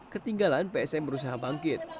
ketinggalan psm berusaha bangkit